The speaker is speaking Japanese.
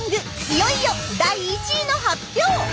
いよいよ第１位の発表！